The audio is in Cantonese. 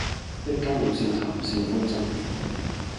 一家老少談笑風生